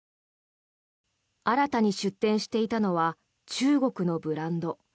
新たに出店していたのは中国のブランド。